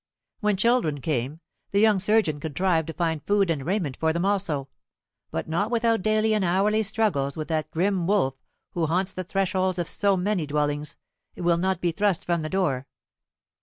When children came, the young surgeon contrived to find food and raiment for them also, but not without daily and hourly struggles with that grim wolf who haunts the thresholds of so many dwellings, and will not be thrust from the door.